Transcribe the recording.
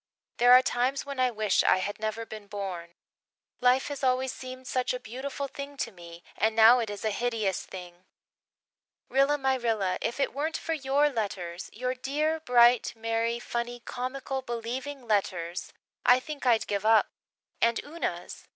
There are times when I wish I had never been born. Life has always seemed such a beautiful thing to me and now it is a hideous thing. Rilla my Rilla, if it weren't for your letters your dear, bright, merry, funny, comical, believing letters I think I'd give up. And Una's!